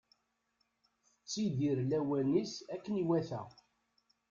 Tettidir lawan-is akken iwata.